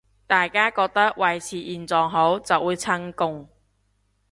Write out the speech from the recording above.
大家覺得維持現狀好，就會撐共